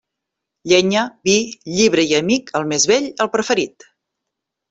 Llenya, vi, llibre i amic, el més vell, el preferit.